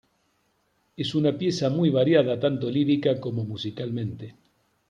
Es una pieza muy variada tanto lírica como musicalmente.